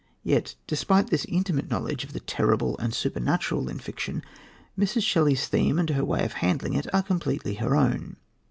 Yet, despite this intimate knowledge of the terrible and supernatural in fiction, Mrs. Shelley's theme and her way of handling it are completely her own.